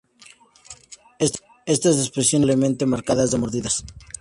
Estas depresiones son probablemente marcas de mordidas.